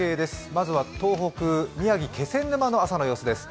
まずは東北、宮城・気仙沼の朝の様子です。